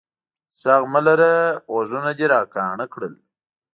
ږغ مه لره، غوږونه دي را کاڼه کړل.